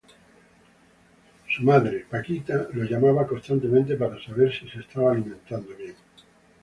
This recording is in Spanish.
Su madre, Peggy, lo llamaba constantemente para saber si se estaba alimentando bien.